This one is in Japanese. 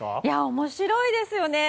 面白いですよね。